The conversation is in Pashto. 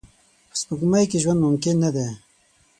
په سپوږمۍ کې ژوند ممکن نه دی